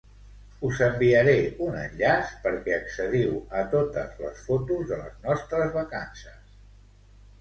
Us enviaré un enllaç perquè accediu a totes les fotos de les nostres vacances.